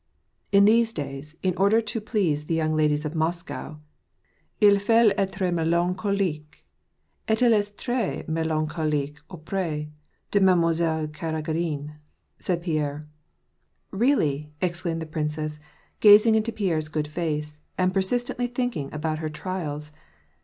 " In these days, in order to please the young ladies of Mos cow, it faut etre melaneolique. Et il est tres melancoHqtie aupres de MadeTnoiselle Kara^iiine," said Pierre. " Really ?" exclaimed the princess, gazing into Pierre's good face, and persistently thinking about her trials.